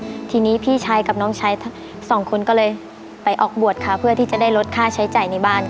ทีนี้พี่ชายกับน้องชายทั้งสองคนก็เลยไปออกบวชค่ะเพื่อที่จะได้ลดค่าใช้จ่ายในบ้านค่ะ